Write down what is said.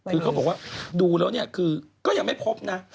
คือเขาบอกว่าดูแล้วก็ยังไม่พบนะ